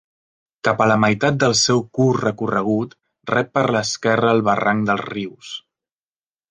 Cap a la meitat del seu curt recorregut rep per l'esquerra el barranc dels Rius.